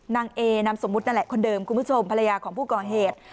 นางเอนามสมมุตินั่นแหละคนเดิมคุณผู้ชมภรรยาของผู้ก่อเหตุ